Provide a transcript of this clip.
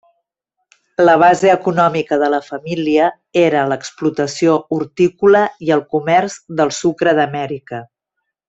La base econòmica de la família era l'explotació hortícola i el comerç del sucre d'Amèrica.